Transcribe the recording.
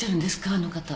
あの方。